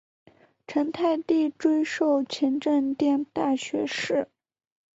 成泰帝追授勤政殿大学士。